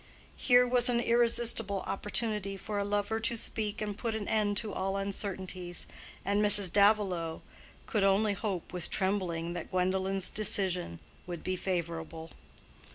Here was an irresistible opportunity for a lover to speak and put an end to all uncertainties, and Mrs. Davilow could only hope with trembling that Gwendolen's decision would be favorable.